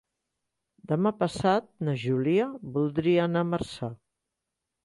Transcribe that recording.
Demà passat na Júlia voldria anar a Marçà.